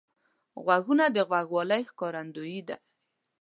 غوږونه د غوږوالۍ ښکارندوی دي